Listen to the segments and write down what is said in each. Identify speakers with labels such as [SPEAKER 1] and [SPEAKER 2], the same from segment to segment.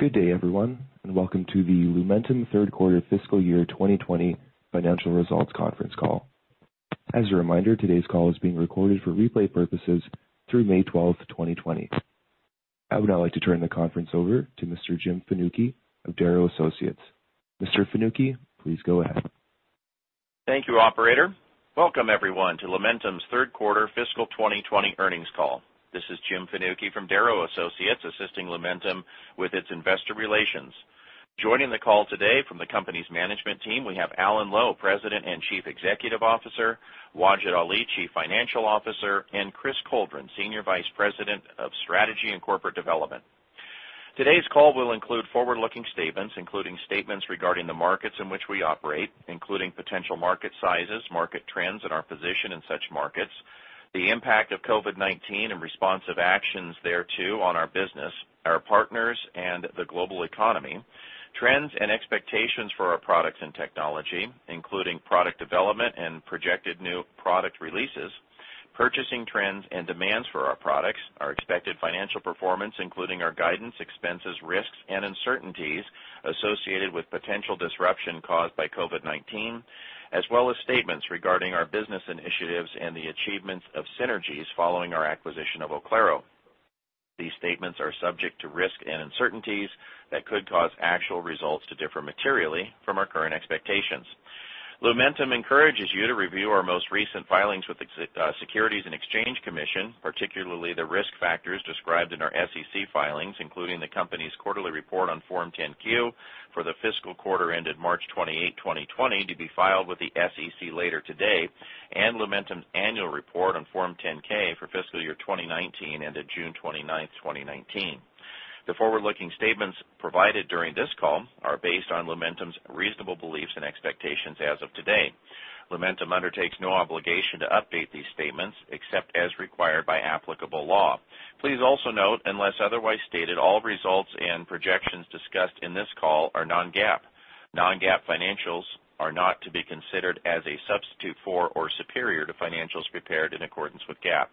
[SPEAKER 1] Good day, everyone, and welcome to the Lumentum third quarter fiscal year 2020 financial results conference call. As a reminder, today's call is being recorded for replay purposes through May 12th, 2020. I would now like to turn the conference over to Mr. Jim Fanucchi of Darrow Associates. Mr. Fanucchi, please go ahead.
[SPEAKER 2] Thank you, operator. Welcome, everyone, to Lumentum's third quarter fiscal 2020 earnings call. This is Jim Fanucchi from Darrow Associates, assisting Lumentum with its investor relations. Joining the call today from the company's management team, we have Alan Lowe, President and Chief Executive Officer, Wajid Ali, Chief Financial Officer, and Chris Coldren, Senior Vice President of Strategy and Corporate Development. Today's call will include forward-looking statements, including statements regarding the markets in which we operate, including potential market sizes, market trends, and our position in such markets, the impact of COVID-19 and responsive actions thereto on our business, our partners, and the global economy, trends and expectations for our products and technology, including product development and projected new product releases, purchasing trends and demands for our products, our expected financial performance, including our guidance, expenses, risks, and uncertainties associated with potential disruption caused by COVID-19, as well as statements regarding our business initiatives and the achievements of synergies following our acquisition of Oclaro. These statements are subject to risks and uncertainties that could cause actual results to differ materially from our current expectations. Lumentum encourages you to review our most recent filings with the Securities and Exchange Commission, particularly the risk factors described in our SEC filings, including the company's quarterly report on Form 10-Q for the fiscal quarter ended March 28th, 2020 to be filed with the SEC later today, and Lumentum's annual report on Form 10-K for fiscal year 2019 ended June 29th, 2019. The forward-looking statements provided during this call are based on Lumentum's reasonable beliefs and expectations as of today. Lumentum undertakes no obligation to update these statements except as required by applicable law. Please also note, unless otherwise stated, all results and projections discussed in this call are non-GAAP. Non-GAAP financials are not to be considered as a substitute for or superior to financials prepared in accordance with GAAP.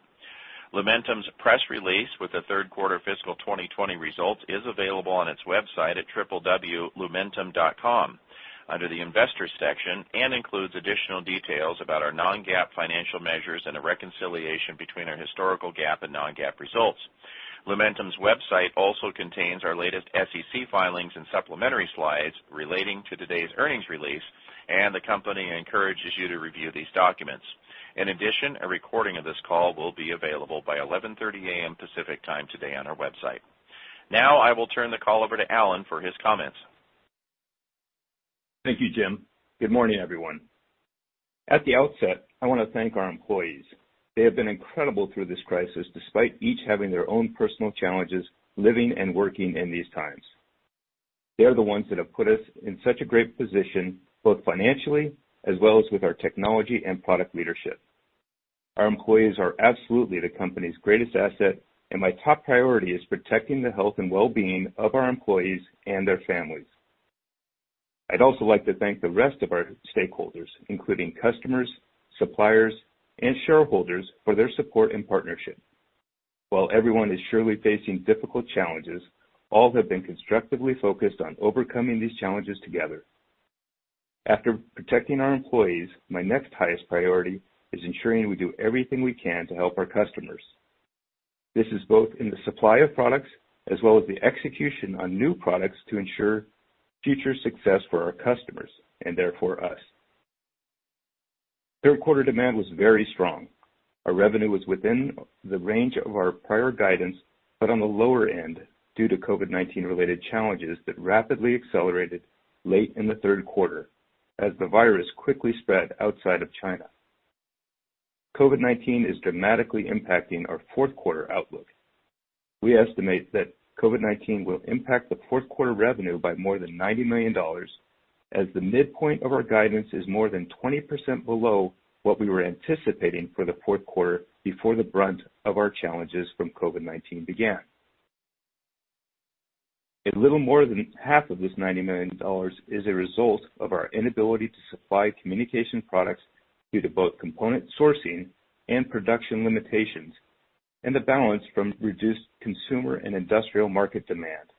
[SPEAKER 2] Lumentum's press release with the third quarter fiscal 2020 results is available on its website at www.lumentum.com under the investors section and includes additional details about our non-GAAP financial measures and a reconciliation between our historical GAAP and non-GAAP results. Lumentum's website also contains our latest SEC filings and supplementary slides relating to today's earnings release. The company encourages you to review these documents. In addition, a recording of this call will be available by 11:30 A.M. Pacific Time today on our website. Now, I will turn the call over to Alan for his comments.
[SPEAKER 3] Thank you, Jim. Good morning, everyone. At the outset, I want to thank our employees. They have been incredible through this crisis, despite each having their own personal challenges living and working in these times. They are the ones that have put us in such a great position, both financially as well as with our technology and product leadership. Our employees are absolutely the company's greatest asset, and my top priority is protecting the health and wellbeing of our employees and their families. I'd also like to thank the rest of our stakeholders, including customers, suppliers, and shareholders for their support and partnership. While everyone is surely facing difficult challenges, all have been constructively focused on overcoming these challenges together. After protecting our employees, my next highest priority is ensuring we do everything we can to help our customers. This is both in the supply of products as well as the execution on new products to ensure future success for our customers and therefore us. Third quarter demand was very strong. Our revenue was within the range of our prior guidance, but on the lower end due to COVID-19 related challenges that rapidly accelerated late in the third quarter as the virus quickly spread outside of China. COVID-19 is dramatically impacting our fourth quarter outlook. We estimate that COVID-19 will impact the fourth quarter revenue by more than $90 million, as the midpoint of our guidance is more than 20% below what we were anticipating for the fourth quarter before the brunt of our challenges from COVID-19 began. A little more than half of this $90 million is a result of our inability to supply communication products due to both component sourcing and production limitations, and the balance from reduced consumer and industrial market demand.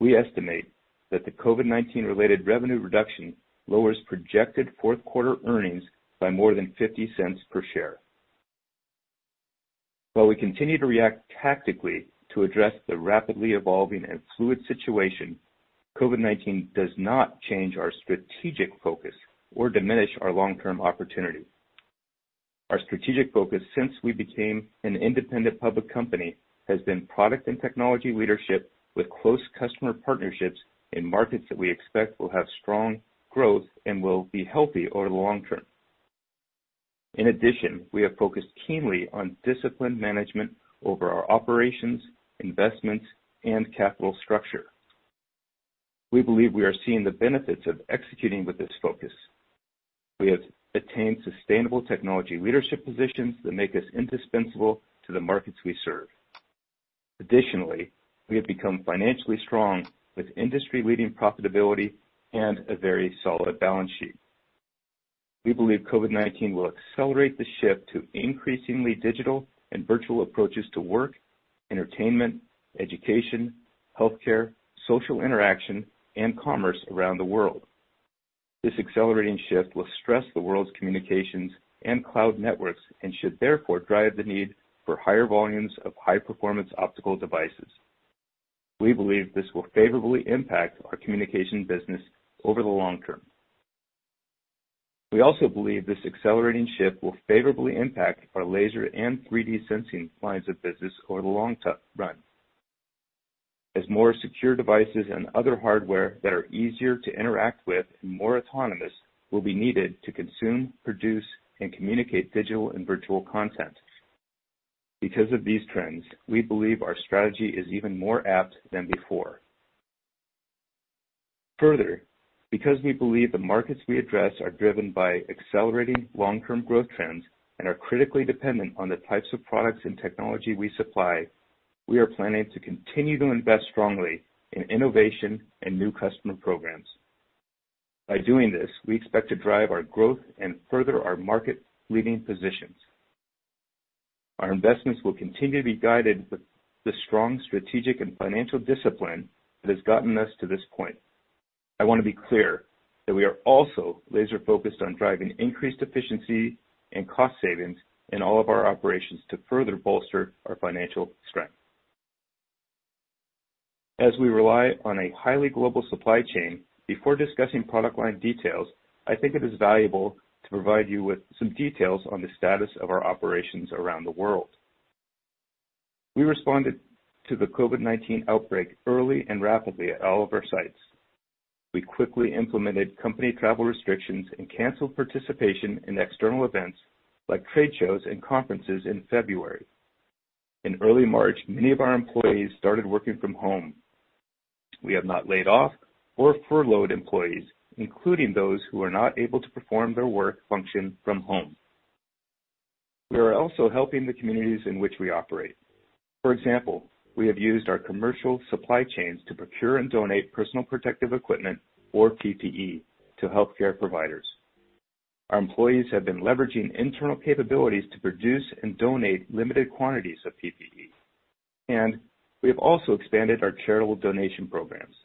[SPEAKER 3] We estimate that the COVID-19 related revenue reduction lowers projected fourth quarter earnings by more than $0.50 per share. While we continue to react tactically to address the rapidly evolving and fluid situation, COVID-19 does not change our strategic focus or diminish our long-term opportunity. Our strategic focus since we became an independent public company has been product and technology leadership with close customer partnerships in markets that we expect will have strong growth and will be healthy over the long term. In addition, we have focused keenly on disciplined management over our operations, investments, and capital structure. We believe we are seeing the benefits of executing with this focus. We have attained sustainable technology leadership positions that make us indispensable to the markets we serve. Additionally, we have become financially strong with industry-leading profitability and a very solid balance sheet. We believe COVID-19 will accelerate the shift to increasingly digital and virtual approaches to work, entertainment, education, healthcare, social interaction, and commerce around the world. This accelerating shift will stress the world's communications and cloud networks, and should therefore drive the need for higher volumes of high-performance optical devices. We believe this will favorably impact our communication business over the long term. We also believe this accelerating shift will favorably impact our laser and 3D sensing lines of business over the long run, as more secure devices and other hardware that are easier to interact with and more autonomous will be needed to consume, produce, and communicate digital and virtual content. Because of these trends, we believe our strategy is even more apt than before. Further, because we believe the markets we address are driven by accelerating long-term growth trends and are critically dependent on the types of products and technology we supply, we are planning to continue to invest strongly in innovation and new customer programs. By doing this, we expect to drive our growth and further our market-leading positions. Our investments will continue to be guided with the strong strategic and financial discipline that has gotten us to this point. I want to be clear that we are also laser-focused on driving increased efficiency and cost savings in all of our operations to further bolster our financial strength. As we rely on a highly global supply chain, before discussing product line details, I think it is valuable to provide you with some details on the status of our operations around the world. We responded to the COVID-19 outbreak early and rapidly at all of our sites. We quickly implemented company travel restrictions and canceled participation in external events like trade shows and conferences in February. In early March, many of our employees started working from home. We have not laid off or furloughed employees, including those who are not able to perform their work function from home. We are also helping the communities in which we operate. For example, we have used our commercial supply chains to procure and donate personal protective equipment, or PPE, to healthcare providers. Our employees have been leveraging internal capabilities to produce and donate limited quantities of PPE. We have also expanded our charitable donation programs.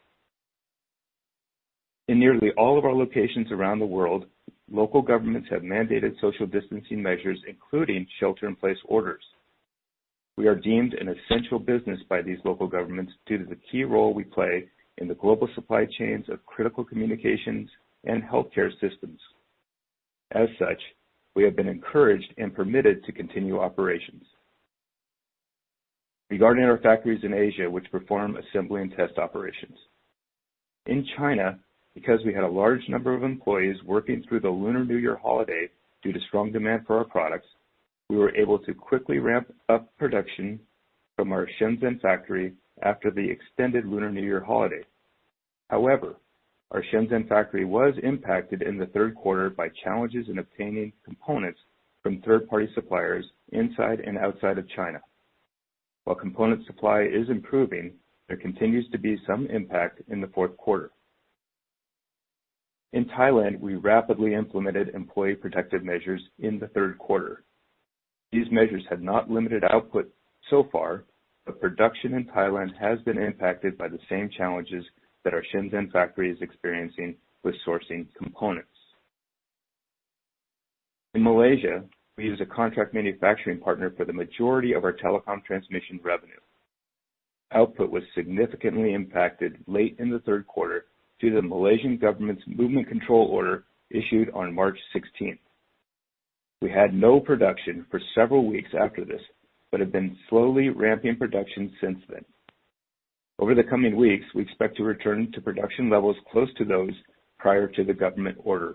[SPEAKER 3] In nearly all of our locations around the world, local governments have mandated social distancing measures, including shelter-in-place orders. We are deemed an essential business by these local governments due to the key role we play in the global supply chains of critical communications and healthcare systems. As such, we have been encouraged and permitted to continue operations. Regarding our factories in Asia, which perform assembly and test operations. In China, because we had a large number of employees working through the Lunar New Year holiday due to strong demand for our products, we were able to quickly ramp up production from our Shenzhen factory after the extended Lunar New Year holiday. However, our Shenzhen factory was impacted in the third quarter by challenges in obtaining components from third-party suppliers inside and outside of China. While component supply is improving, there continues to be some impact in the fourth quarter. In Thailand, we rapidly implemented employee protective measures in the third quarter. These measures have not limited output so far, but production in Thailand has been impacted by the same challenges that our Shenzhen factory is experiencing with sourcing components. In Malaysia, we use a contract manufacturing partner for the majority of our telecom transmission revenue. Output was significantly impacted late in the third quarter due to the Malaysian government's movement control order issued on March 16th. We had no production for several weeks after this, but have been slowly ramping production since then. Over the coming weeks, we expect to return to production levels close to those prior to the government order.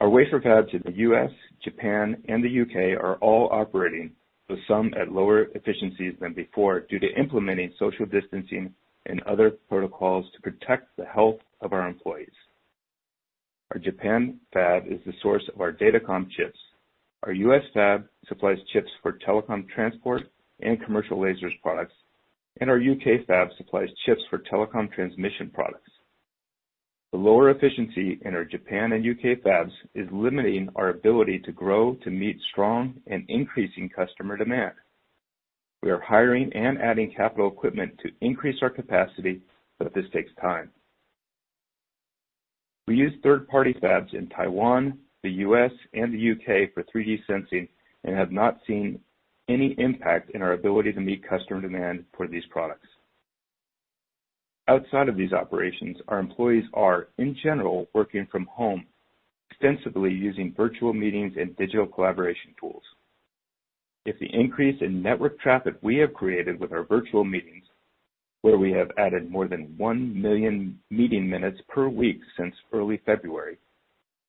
[SPEAKER 3] Our wafer fabs in the U.S., Japan, and the U.K. are all operating, though some at lower efficiencies than before due to implementing social distancing and other protocols to protect the health of our employees. Our Japan fab is the source of our datacom chips. Our U.S. fab supplies chips for telecom transport and commercial lasers products, and our U.K. fab supplies chips for telecom transmission products. The lower efficiency in our Japan and U.K. fabs is limiting our ability to grow to meet strong and increasing customer demand. We are hiring and adding capital equipment to increase our capacity, but this takes time. We use third-party fabs in Taiwan, the U.S., and the U.K. for 3D sensing and have not seen any impact in our ability to meet customer demand for these products. Outside of these operations, our employees are, in general, working from home, extensively using virtual meetings and digital collaboration tools. If the increase in network traffic we have created with our virtual meetings, where we have added more than 1 million meeting minutes per week since early February,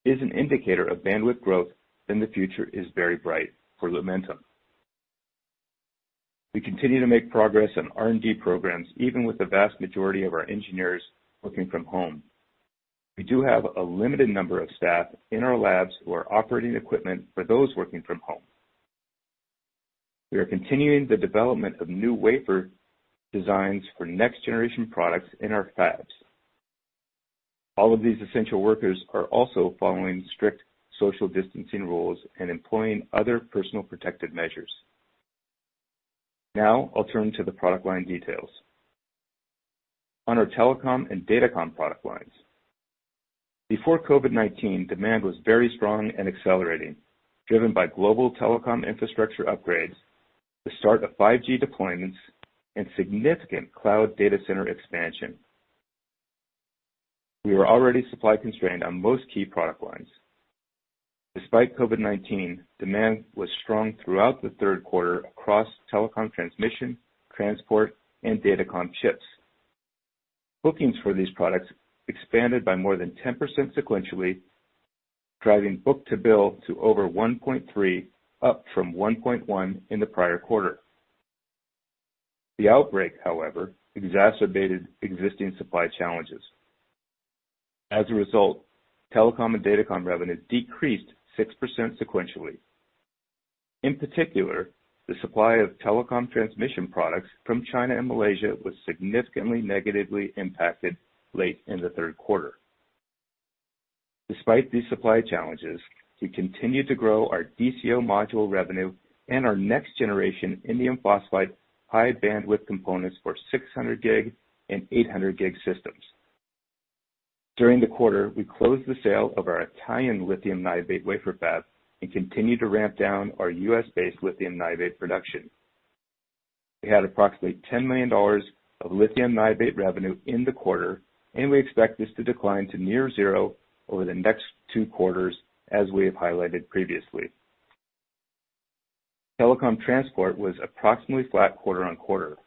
[SPEAKER 3] is an indicator of bandwidth growth, then the future is very bright for Lumentum. We continue to make progress on R&D programs, even with the vast majority of our engineers working from home. We do have a limited number of staff in our labs who are operating equipment for those working from home. We are continuing the development of new wafer designs for next-generation products in our fabs. All of these essential workers are also following strict social distancing rules and employing other personal protective measures. Now, I'll turn to the product line details. On our telecom and datacom product lines, before COVID-19, demand was very strong and accelerating, driven by global telecom infrastructure upgrades, the start of 5G deployments, and significant cloud data center expansion. We were already supply-constrained on most key product lines. Despite COVID-19, demand was strong throughout the third quarter across telecom transmission, transport, and datacom chips. Bookings for these products expanded by more than 10% sequentially, driving book-to-bill to over 1.3, up from 1.1 in the prior quarter. The outbreak, however, exacerbated existing supply challenges. As a result, telecom and datacom revenue decreased 6% sequentially. In particular, the supply of telecom transmission products from China and Malaysia was significantly negatively impacted late in the third quarter. Despite these supply challenges, we continued to grow our DCO module revenue and our next-generation indium phosphide high-bandwidth components for 600 Gb and 800 Gb systems. During the quarter, we closed the sale of our Italian lithium niobate wafer fab and continued to ramp down our U.S.-based lithium niobate production. We had approximately $10 million of lithium niobate revenue in the quarter, and we expect this to decline to near zero over the next two quarters, as we have highlighted previously. Telecom transport was approximately flat quarter-on-quarter.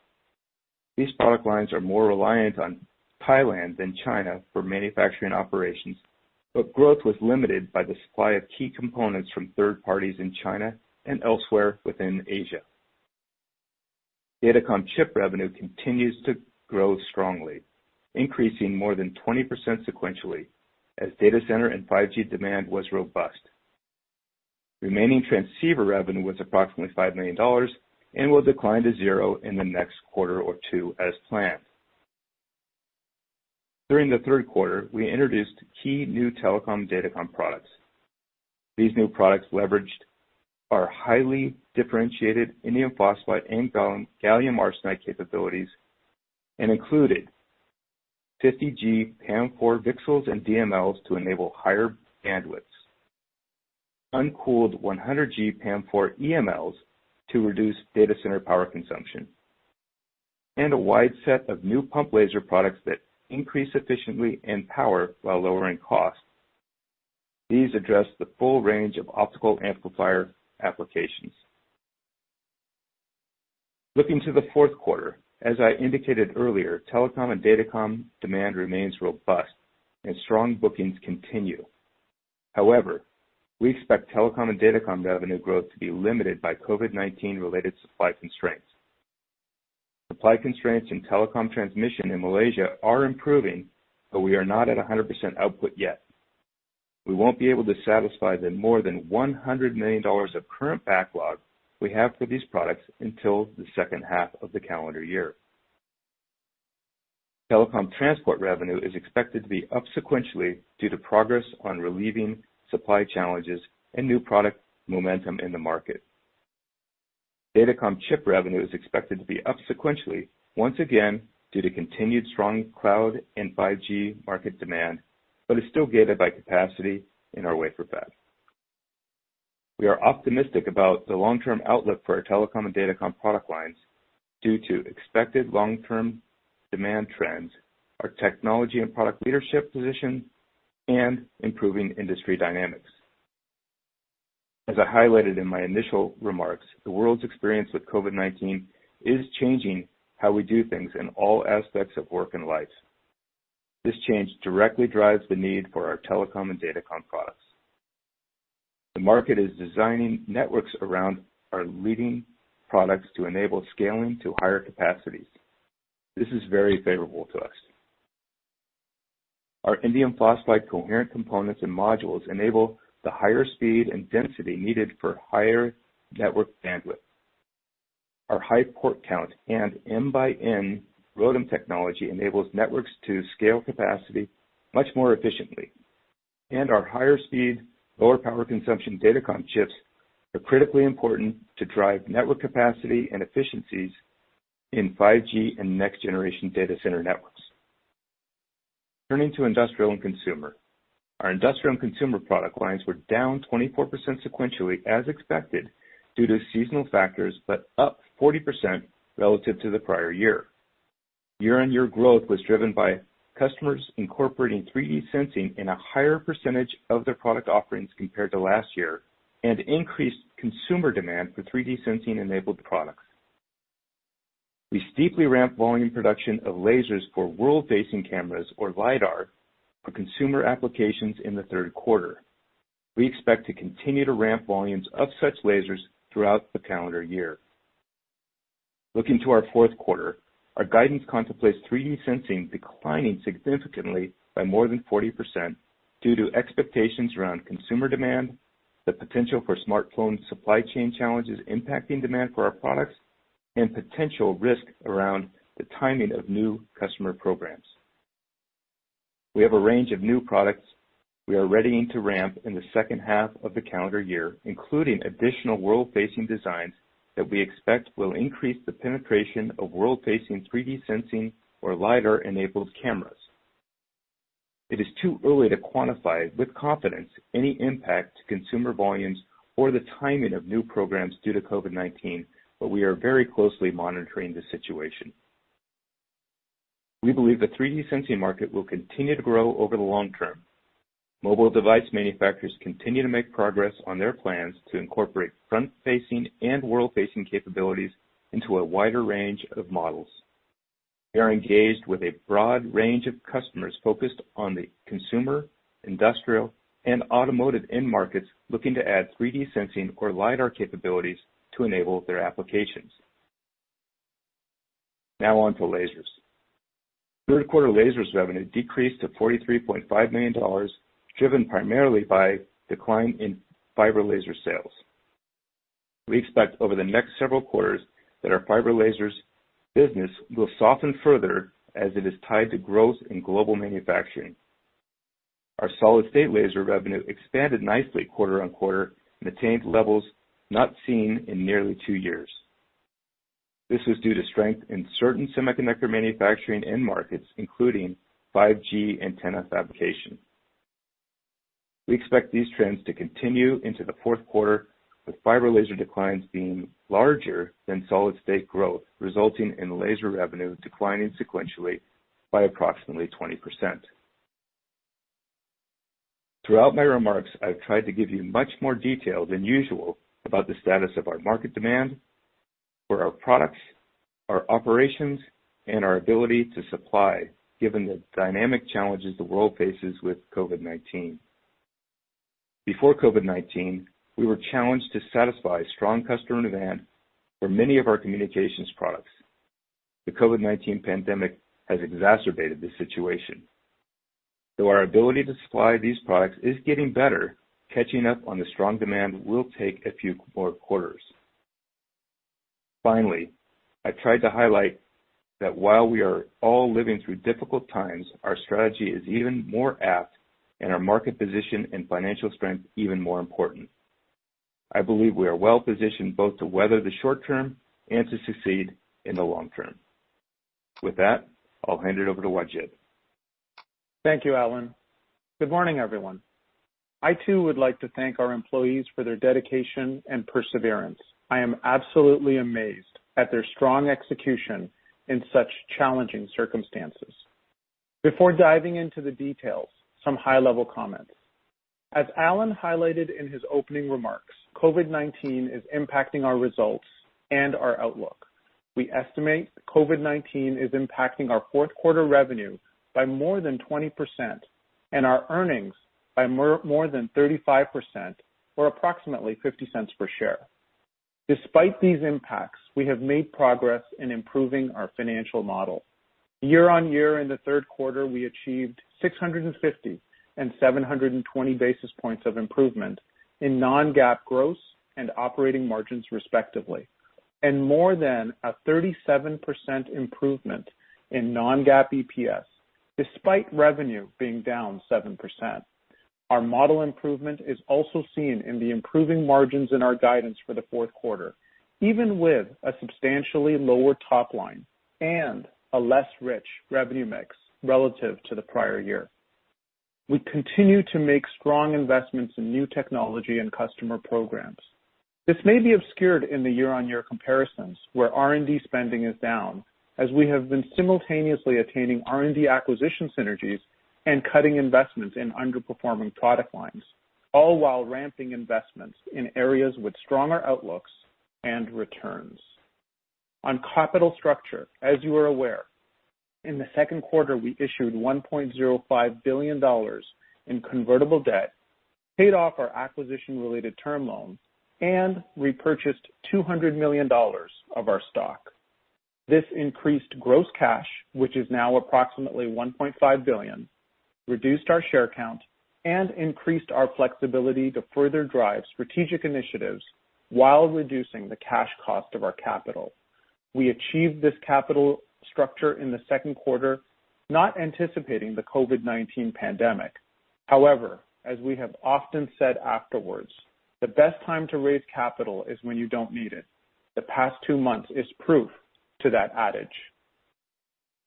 [SPEAKER 3] These product lines are more reliant on Thailand than China for manufacturing operations, growth was limited by the supply of key components from third parties in China and elsewhere within Asia. Datacom chip revenue continues to grow strongly, increasing more than 20% sequentially as data center and 5G demand was robust. Remaining transceiver revenue was approximately $5 million and will decline to zero in the next quarter or two as planned. During the third quarter, we introduced key new telecom datacom products. These new products leveraged our highly differentiated indium phosphide and gallium arsenide capabilities and included 50G PAM4 VCSELs and DMLs to enable higher bandwidths, uncooled 100G PAM4 EMLs to reduce data center power consumption, and a wide set of new pump laser products that increase efficiently in power while lowering cost. These address the full range of optical amplifier applications. Looking to the fourth quarter, as I indicated earlier, telecom and datacom demand remains robust and strong bookings continue. However, we expect telecom and datacom revenue growth to be limited by COVID-19 related supply constraints. Supply constraints in telecom transmission in Malaysia are improving, but we are not at 100% output yet. We won't be able to satisfy the more than $100 million of current backlog we have for these products until the second half of the calendar year. Telecom transport revenue is expected to be up sequentially due to progress on relieving supply challenges and new product momentum in the market. Datacom chip revenue is expected to be up sequentially once again due to continued strong cloud and 5G market demand, but is still gated by capacity in our wafer fab. We are optimistic about the long-term outlook for our telecom and datacom product lines due to expected long-term demand trends, our technology and product leadership position, and improving industry dynamics. As I highlighted in my initial remarks, the world's experience with COVID-19 is changing how we do things in all aspects of work and lives. This change directly drives the need for our telecom and datacom products. The market is designing networks around our leading products to enable scaling to higher capacities. This is very favorable to us. Our indium phosphide coherent components and modules enable the higher speed and density needed for higher network bandwidth. Our high port count and M x N ROADM technology enables networks to scale capacity much more efficiently. Our higher speed, lower power consumption datacom chips are critically important to drive network capacity and efficiencies in 5G and next-generation data center networks. Turning to industrial and consumer. Our industrial and consumer product lines were down 24% sequentially as expected due to seasonal factors, but up 40% relative to the prior year. Year-on-year growth was driven by customers incorporating 3D sensing in a higher percentage of their product offerings compared to last year and increased consumer demand for 3D sensing-enabled products. We steeply ramped volume production of lasers for world-facing cameras or LiDAR for consumer applications in the third quarter. We expect to continue to ramp volumes of such lasers throughout the calendar year. Looking to our fourth quarter, our guidance contemplates 3D sensing declining significantly by more than 40% due to expectations around consumer demand, the potential for smartphone supply chain challenges impacting demand for our products, and potential risk around the timing of new customer programs. We have a range of new products we are readying to ramp in the second half of the calendar year, including additional world-facing designs that we expect will increase the penetration of world-facing 3D sensing or LiDAR-enabled cameras. It is too early to quantify with confidence any impact to consumer volumes or the timing of new programs due to COVID-19, but we are very closely monitoring the situation. We believe the 3D sensing market will continue to grow over the long term. Mobile device manufacturers continue to make progress on their plans to incorporate front-facing and world-facing capabilities into a wider range of models. We are engaged with a broad range of customers focused on the consumer, industrial, and automotive end markets looking to add 3D sensing or LiDAR capabilities to enable their applications. On to lasers. Third quarter lasers revenue decreased to $43.5 million, driven primarily by decline in fiber laser sales. We expect over the next several quarters that our fiber lasers business will soften further as it is tied to growth in global manufacturing. Our solid state laser revenue expanded nicely quarter-on-quarter and attained levels not seen in nearly two years. This was due to strength in certain semiconductor manufacturing end markets, including 5G antenna fabrication. We expect these trends to continue into the fourth quarter, with fiber laser declines being larger than solid state growth, resulting in laser revenue declining sequentially by approximately 20%. Throughout my remarks, I've tried to give you much more detail than usual about the status of our market demand for our products, our operations, and our ability to supply, given the dynamic challenges the world faces with COVID-19. Before COVID-19, we were challenged to satisfy strong customer demand for many of our communications products. The COVID-19 pandemic has exacerbated the situation. Though our ability to supply these products is getting better, catching up on the strong demand will take a few more quarters. Finally, I tried to highlight that while we are all living through difficult times, our strategy is even more apt and our market position and financial strength even more important. I believe we are well-positioned both to weather the short term and to succeed in the long term. With that, I'll hand it over to Wajid.
[SPEAKER 4] Thank you, Alan. Good morning, everyone. I too would like to thank our employees for their dedication and perseverance. I am absolutely amazed at their strong execution in such challenging circumstances. Before diving into the details, some high-level comments. As Alan highlighted in his opening remarks, COVID-19 is impacting our results and our outlook. We estimate COVID-19 is impacting our fourth quarter revenue by more than 20% and our earnings by more than 35%, or approximately $0.50 per share. Despite these impacts, we have made progress in improving our financial model. Year-on-year in the third quarter, we achieved 650 basis points and 720 basis points of improvement in non-GAAP gross and operating margins, respectively, and more than a 37% improvement in non-GAAP EPS, despite revenue being down 7%. Our model improvement is also seen in the improving margins in our guidance for the fourth quarter, even with a substantially lower top line and a less rich revenue mix relative to the prior year. We continue to make strong investments in new technology and customer programs. This may be obscured in the year-on-year comparisons, where R&D spending is down, as we have been simultaneously attaining R&D acquisition synergies and cutting investments in underperforming product lines, all while ramping investments in areas with stronger outlooks and returns. On capital structure, as you are aware, in the second quarter, we issued $1.05 billion in convertible debt, paid off our acquisition-related term loan, and repurchased $200 million of our stock. This increased gross cash, which is now approximately $1.5 billion, reduced our share count, and increased our flexibility to further drive strategic initiatives while reducing the cash cost of our capital. We achieved this capital structure in the second quarter not anticipating the COVID-19 pandemic. However, as we have often said afterwards, the best time to raise capital is when you don't need it. The past two months is proof to that adage.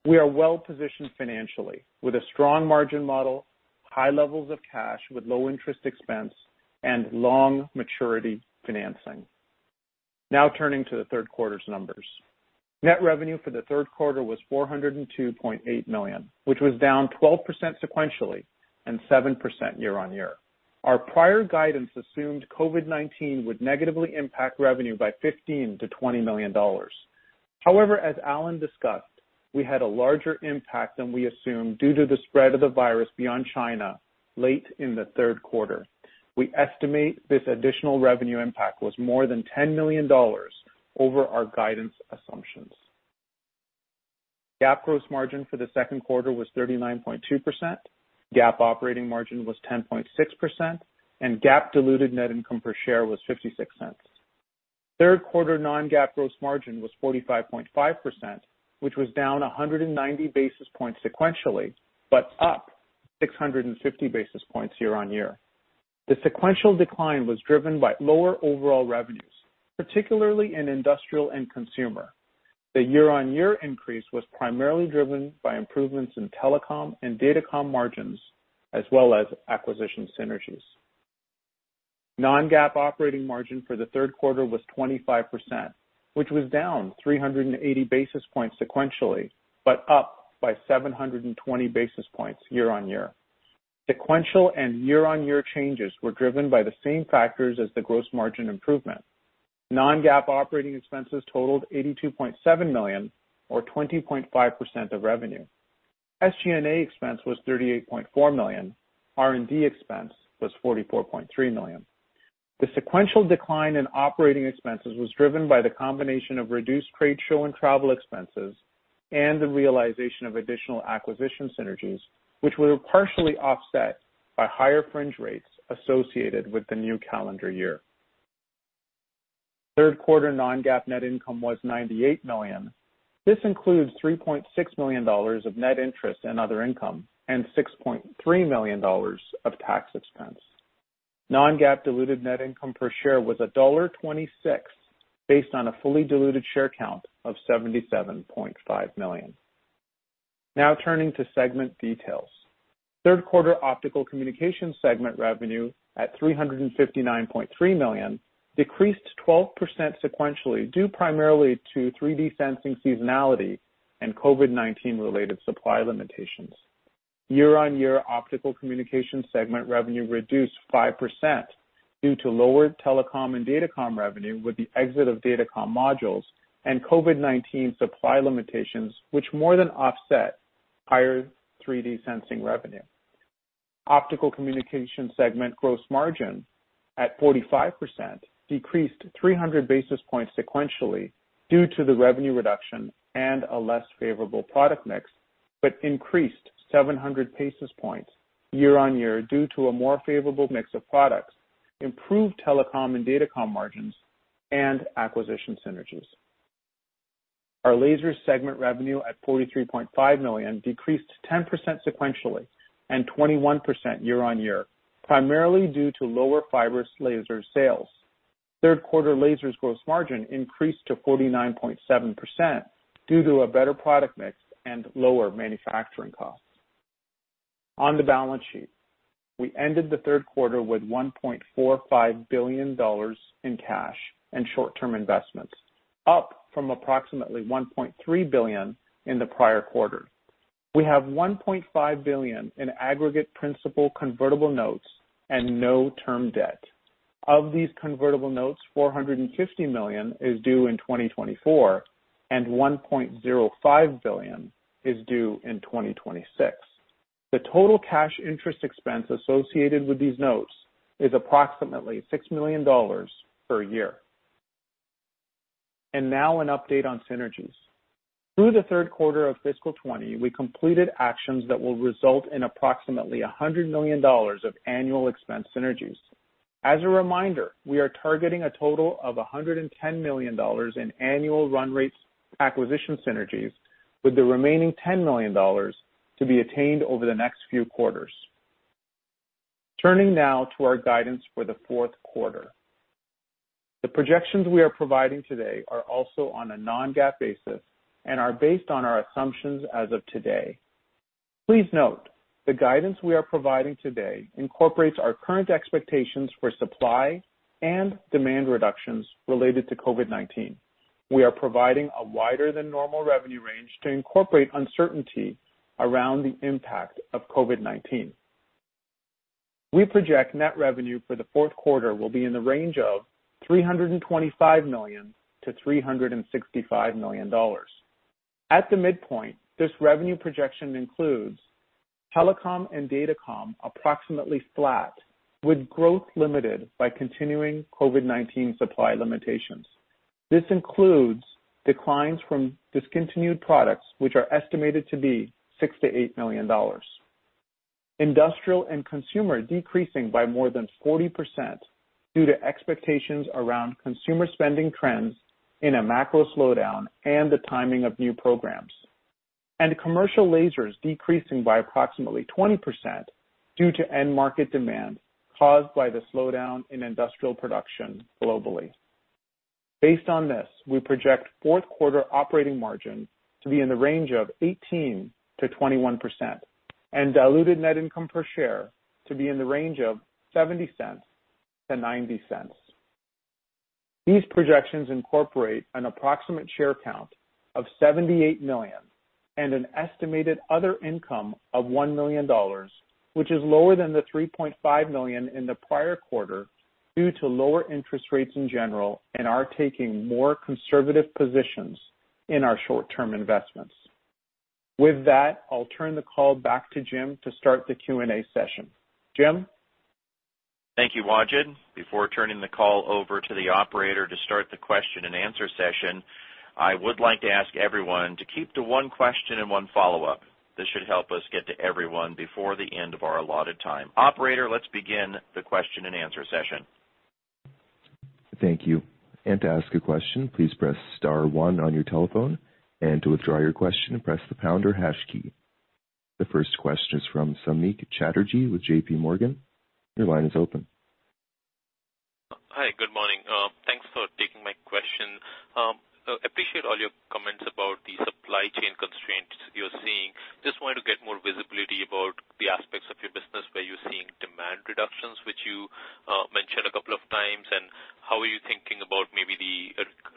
[SPEAKER 4] We are well-positioned financially with a strong margin model, high levels of cash with low interest expense, and long maturity financing. Now turning to the third quarter's numbers. Net revenue for the third quarter was $402.8 million, which was down 12% sequentially and 7% year-on-year. Our prior guidance assumed COVID-19 would negatively impact revenue by $15 million-$20 million. However, as Alan discussed. We had a larger impact than we assumed due to the spread of the virus beyond China late in the third quarter. We estimate this additional revenue impact was more than $10 million over our guidance assumptions. GAAP gross margin for the second quarter was 39.2%, GAAP operating margin was 10.6%, and GAAP diluted net income per share was $0.56. Third quarter non-GAAP gross margin was 45.5%, which was down 190 basis points sequentially, but up 650 basis points year-on-year. The sequential decline was driven by lower overall revenues, particularly in industrial and consumer. The year-on-year increase was primarily driven by improvements in telecom and datacom margins as well as acquisition synergies. Non-GAAP operating margin for the third quarter was 25%, which was down 380 basis points sequentially, but up by 720 basis points year-on-year. Sequential and year-on-year changes were driven by the same factors as the gross margin improvement. Non-GAAP operating expenses totaled $82.7 million, or 20.5% of revenue. SG&A expense was $38.4 million. R&D expense was $44.3 million. The sequential decline in operating expenses was driven by the combination of reduced trade show and travel expenses and the realization of additional acquisition synergies, which were partially offset by higher fringe rates associated with the new calendar year. Third quarter non-GAAP net income was $98 million. This includes $3.6 million of net interest and other income and $6.3 million of tax expense. Non-GAAP diluted net income per share was $1.26, based on a fully diluted share count of 77.5 million. Turning to segment details. Third quarter optical communication segment revenue, at $359.3 million, decreased 12% sequentially, due primarily to 3D sensing seasonality and COVID-19 related supply limitations. Year-on-year optical communication segment revenue reduced 5% due to lower telecom and datacom revenue with the exit of datacom modules and COVID-19 supply limitations, which more than offset higher 3D sensing revenue. Optical communication segment gross margin, at 45%, decreased 300 basis points sequentially due to the revenue reduction and a less favorable product mix, but increased 700 basis points year-on-year due to a more favorable mix of products, improved telecom and datacom margins, and acquisition synergies. Our laser segment revenue at $43.5 million decreased 10% sequentially and 21% year-on-year, primarily due to lower fiber laser sales. Third quarter lasers gross margin increased to 49.7% due to a better product mix and lower manufacturing costs. On the balance sheet, we ended the third quarter with $1.45 billion in cash and short-term investments, up from approximately $1.3 billion in the prior quarter. We have $1.5 billion in aggregate principal convertible notes and no term debt. Of these convertible notes, $450 million is due in 2024 and $1.05 billion is due in 2026. The total cash interest expense associated with these notes is approximately $6 million per year. Now an update on synergies. Through the third quarter of fiscal 2020, we completed actions that will result in approximately $100 million of annual expense synergies. As a reminder, we are targeting a total of $110 million in annual run rates acquisition synergies with the remaining $10 million to be attained over the next few quarters. Turning now to our guidance for the fourth quarter. The projections we are providing today are also on a non-GAAP basis and are based on our assumptions as of today. Please note, the guidance we are providing today incorporates our current expectations for supply and demand reductions related to COVID-19. We are providing a wider than normal revenue range to incorporate uncertainty around the impact of COVID-19. We project net revenue for the fourth quarter will be in the range of $325 million-$365 million. At the midpoint, this revenue projection includes telecom and datacom approximately flat, with growth limited by continuing COVID-19 supply limitations. This includes declines from discontinued products, which are estimated to be $6 million-$8 million. Industrial and consumer decreasing by more than 40% due to expectations around consumer spending trends in a macro slowdown and the timing of new programs. Commercial lasers decreasing by approximately 20% due to end market demand caused by the slowdown in industrial production globally. Based on this, we project fourth quarter operating margin to be in the range of 18%-21% and diluted net income per share to be in the range of $0.70-$0.90. These projections incorporate an approximate share count of 78 million and an estimated other income of $1 million, which is lower than the $3.5 million in the prior quarter due to lower interest rates in general and are taking more conservative positions in our short-term investments. With that, I'll turn the call back to Jim to start the Q&A session. Jim?
[SPEAKER 2] Thank you, Wajid. Before turning the call over to the operator to start the question-and-answer session, I would like to ask everyone to keep to one question and one follow-up. This should help us get to everyone before the end of our allotted time. Operator, let's begin the question-and-answer session.
[SPEAKER 1] Thank you. To ask a question, please press star one on your telephone, and to withdraw your question, press the pound or hash key. The first question is from Samik Chatterjee with JPMorgan. Your line is open.
[SPEAKER 5] Hi. Good morning. Thanks for taking my question. Appreciate all your comments about the supply chain constraints you're seeing. Just wanted to get more visibility about the aspects of your business, were you seeing demand reductions, which you mentioned a couple of times, and how are you thinking about maybe the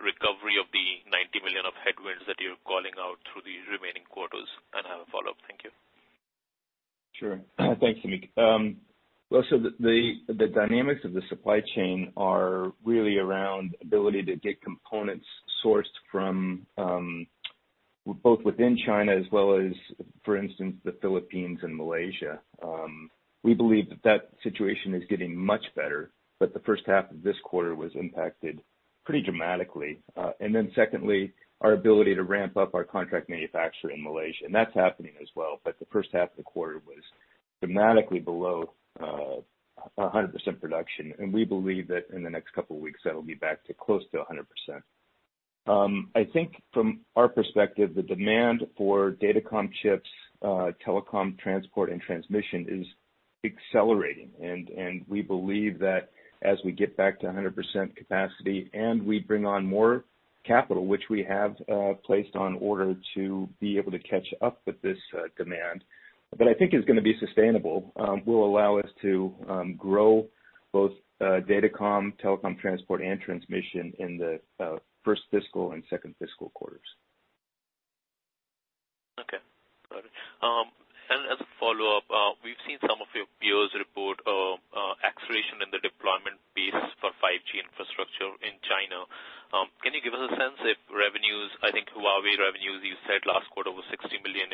[SPEAKER 5] recovery of the $90 million of headwinds that you're calling out through the remaining quarters? I have a follow-up. Thank you.
[SPEAKER 3] Sure. Thanks, Samik. Well, the dynamics of the supply chain are really around ability to get components sourced from both within China as well as, for instance, the Philippines and Malaysia. We believe that situation is getting much better, the first half of this quarter was impacted pretty dramatically. Secondly, our ability to ramp up our contract manufacturer in Malaysia, and that's happening as well. The first half of the quarter was dramatically below 100% production, and we believe that in the next couple of weeks, that'll be back to close to 100%. I think from our perspective, the demand for datacom chips, telecom transport, and transmission is accelerating. We believe that as we get back to 100% capacity and we bring on more capital, which we have placed on order to be able to catch up with this demand, that I think is going to be sustainable, will allow us to grow both datacom, telecom transport, and transmission in the first fiscal and second fiscal quarters.
[SPEAKER 5] Okay, got it. As a follow-up, we've seen some of your peers report acceleration in the deployment base for 5G infrastructure in China. Can you give us a sense if revenues, I think Huawei revenues, you said last quarter was $60 million.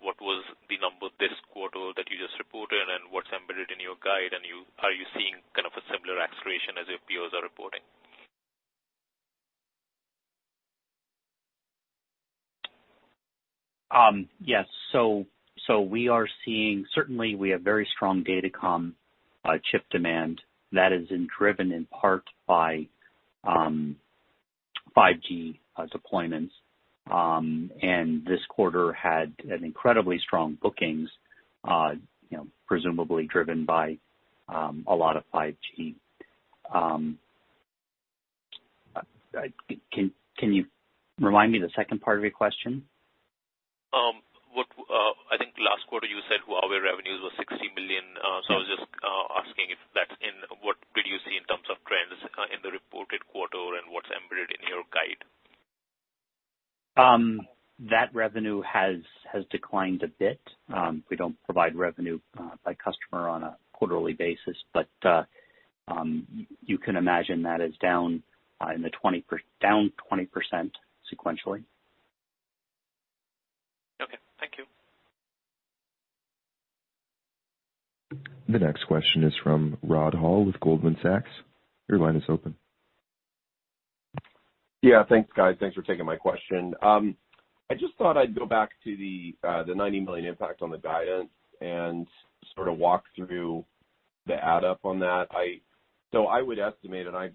[SPEAKER 5] What was the number this quarter that you just reported, and what's embedded in your guide? Are you seeing kind of a similar acceleration as your peers are reporting?
[SPEAKER 6] Yes. We are seeing certainly we have very strong datacom chip demand that has been driven in part by 5G deployments. This quarter had an incredibly strong bookings, presumably driven by a lot of 5G. Can you remind me the second part of your question?
[SPEAKER 5] I think last quarter you said Huawei revenues were $60 million so, I was just asking what did you see in terms of trends in the reported quarter and what's embedded in your guide?
[SPEAKER 6] That revenue has declined a bit. We don't provide revenue by customer on a quarterly basis. You can imagine that is down 20% sequentially.
[SPEAKER 5] Okay. Thank you.
[SPEAKER 1] The next question is from Rod Hall with Goldman Sachs. Your line is open.
[SPEAKER 7] Yeah. Thanks, guys. Thanks for taking my question. I just thought I'd go back to the $90 million impact on the guidance and sort of walk through the add up on that. I would estimate, and I'd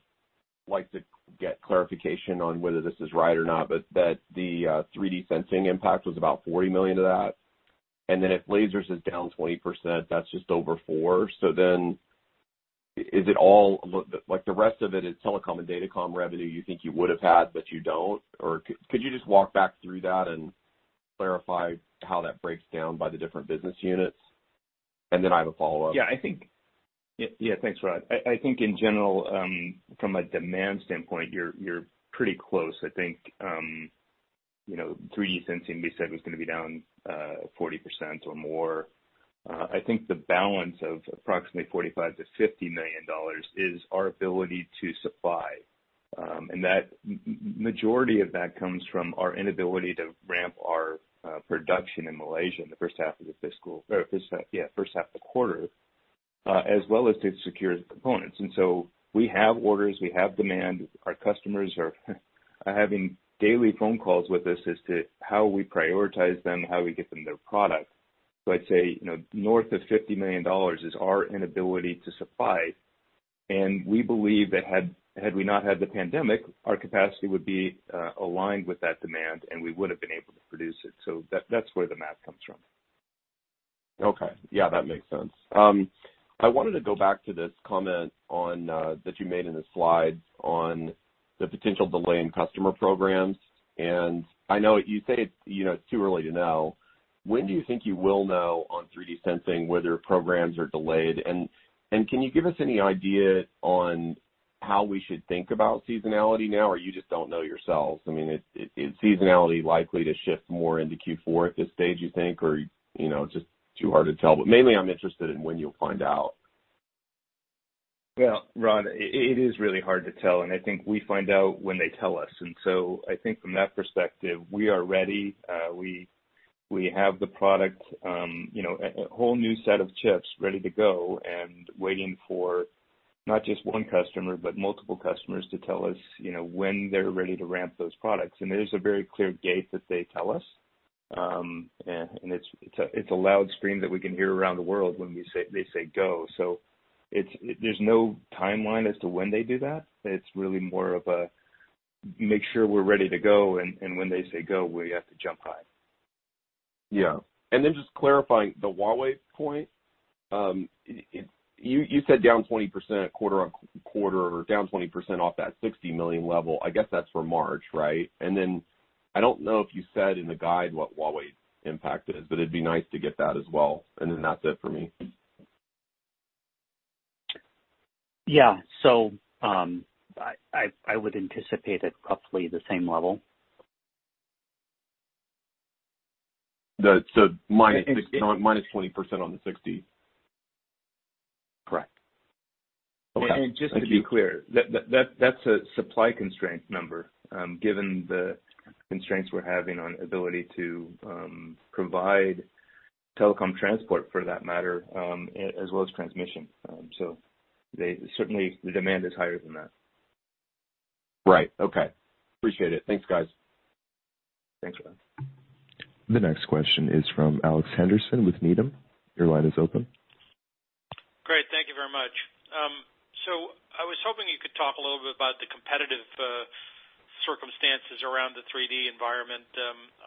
[SPEAKER 7] like to get clarification on whether this is right or not, but that the 3D sensing impact was about $40 million of that. If lasers is down 20%, that's just over four. The rest of it is telecom and datacom revenue you think you would have had, but you don't? Could you just walk back through that and clarify how that breaks down by the different business units? I have a follow-up.
[SPEAKER 3] Thanks, Rod. I think in general, from a demand standpoint, you're pretty close. I think 3D sensing we said was going to be down 40% or more. I think the balance of approximately $45 million-$50 million is our ability to supply. Majority of that comes from our inability to ramp our production in Malaysia in the first half of the quarter, as well as to secure the components. We have orders, we have demand. Our customers are having daily phone calls with us as to how we prioritize them, how we get them their product. I'd say, north of $50 million is our inability to supply. We believe that had we not had the pandemic, our capacity would be aligned with that demand, and we would've been able to produce it. That's where the math comes from.
[SPEAKER 7] Okay. Yeah, that makes sense. I wanted to go back to this comment that you made in the slides on the potential delay in customer programs. I know you say it's too early to know. When do you think you will know on 3D sensing whether programs are delayed? Can you give us any idea on how we should think about seasonality now, or you just don't know yourselves? Is seasonality likely to shift more into Q4 at this stage, you think? Just too hard to tell. Mainly, I'm interested in when you'll find out.
[SPEAKER 3] Well, Rod, it is really hard to tell. I think we find out when they tell us. I think from that perspective, we are ready. We have the product, a whole new set of chips ready to go and waiting for not just one customer, but multiple customers to tell us when they're ready to ramp those products. It is a very clear gate that they tell us. It's a loud scream that we can hear around the world when they say go. There's no timeline as to when they do that. It's really more of a make sure we're ready to go, and when they say go, we have to jump high.
[SPEAKER 7] Yeah. Just clarifying the Huawei point. You said down 20% quarter-on-quarter, or down 20% off that $60 million level. I guess that's for March, right? I don't know if you said in the guide what Huawei's impact is, but it'd be nice to get that as well. That's it for me.
[SPEAKER 4] Yeah. I would anticipate it roughly the same level.
[SPEAKER 7] Minus 20% on the $60 million.
[SPEAKER 4] Correct.
[SPEAKER 7] Okay. Thank you.
[SPEAKER 3] Just to be clear, that's a supply constraint number, given the constraints we're having on ability to provide telecom transport for that matter, as well as transmission. Certainly the demand is higher than that.
[SPEAKER 7] Right. Okay. Appreciate it. Thanks, guys.
[SPEAKER 3] Thanks, Rod.
[SPEAKER 1] The next question is from Alex Henderson with Needham. Your line is open.
[SPEAKER 8] Great. Thank you very much. I was hoping you could talk a little bit about the competitive circumstances around the 3D environment.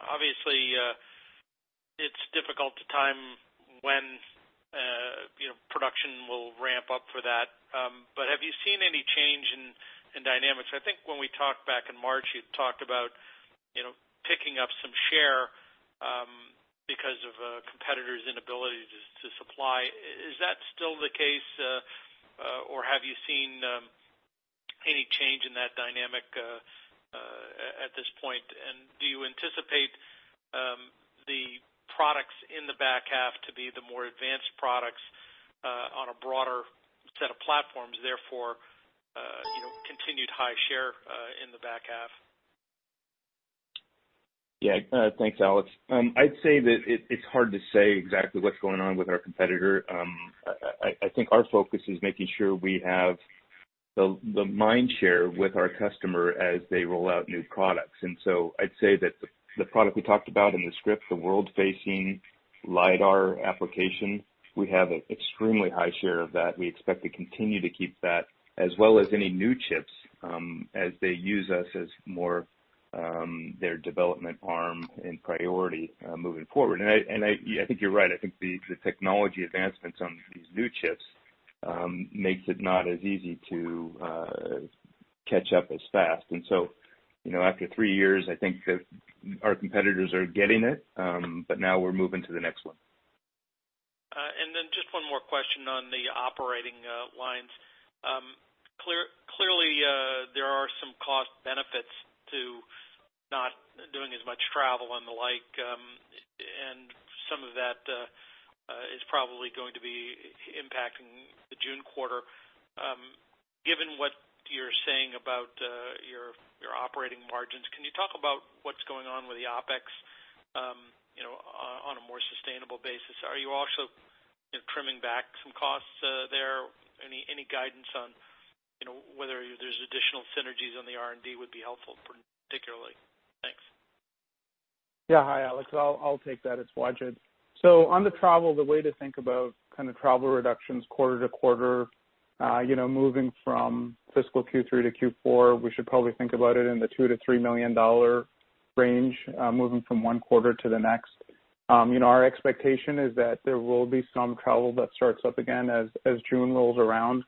[SPEAKER 8] Obviously, it's difficult to time when production will ramp up for that. Have you seen any change in dynamics? I think when we talked back in March, you talked about picking up some share, because of competitors' inability to supply. Is that still the case, or have you seen any change in that dynamic at this point? Do you anticipate the products in the back half to be the more advanced products on a broader set of platforms, therefore, continued high share in the back half?
[SPEAKER 3] Yeah. Thanks, Alex. I'd say that it's hard to say exactly what's going on with our competitor. I think our focus is making sure we have the mind share with our customer as they roll out new products. I'd say that the product we talked about in the script, the world-facing LiDAR application, we have an extremely high share of that. We expect to continue to keep that as well as any new chips, as they use us as more their development arm and priority moving forward. I think you're right. I think the technology advancements on these new chips makes it not as easy to catch up as fast. After three years, I think that our competitors are getting it, but now we're moving to the next one.
[SPEAKER 8] Just one more question on the operating lines. Clearly, there are some cost benefits to not doing as much travel and the like, and some of that is probably going to be impacting the June quarter. Given what you're saying about your operating margins, can you talk about what's going on with the OpEx on a more sustainable basis? Are you also trimming back some costs there? Any guidance on whether there's additional synergies on the R&D would be helpful, particularly. Thanks.
[SPEAKER 4] Hi, Alex. I'll take that. It's Wajid. On the travel, the way to think about travel reductions quarter to quarter, moving from fiscal Q3 to Q4, we should probably think about it in the $2 million-$3 million range, moving from one quarter to the next. Our expectation is that there will be some travel that starts up again as June rolls around.